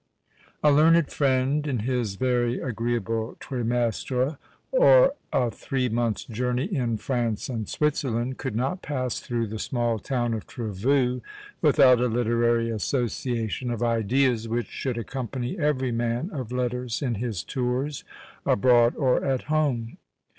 A learned friend, in his very agreeable "Trimestre, or a Three Months' Journey in France and Switzerland," could not pass through the small town of Trevoux without a literary association of ideas which should accompany every man of letters in his tours, abroad or at home.